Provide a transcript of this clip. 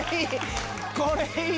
これいい！